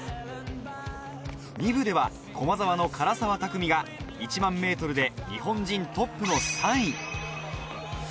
２部では駒澤の唐澤拓海が１００００ｍで日本人トップの３位。